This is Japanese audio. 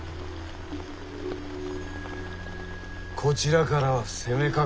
こちらからは攻めかからん。